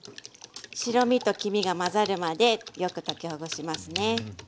白身と黄身が混ざるまでよく溶きほぐしますね。